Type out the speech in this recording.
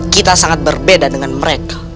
kita sangat berbeda dengan mereka